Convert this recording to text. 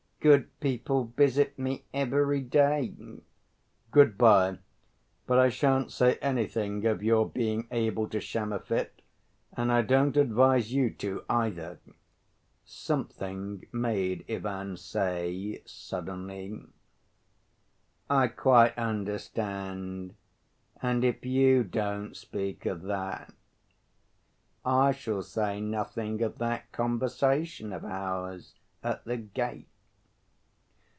Good people visit me every day." "Good‐by. But I shan't say anything of your being able to sham a fit, and I don't advise you to, either," something made Ivan say suddenly. "I quite understand. And if you don't speak of that, I shall say nothing of that conversation of ours at the gate."